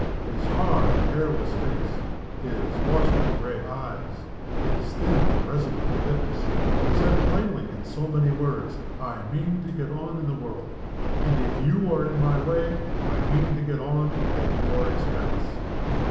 His hard, hairless face, his watchful gray eyes, his thin, resolute lips, said plainly, in so many words, "I mean to get on in the world; and, if you are in my way, I mean to get on at your expense."